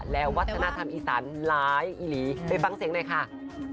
และวัฒนธรรมอีสานหลายอีหลีไปฟังเสียงหน่อยค่ะ